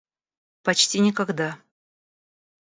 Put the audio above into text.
Почти никогда.